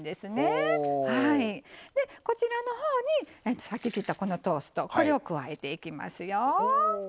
でこちらのほうにさっき切ったこのトーストこれを加えていきますよ。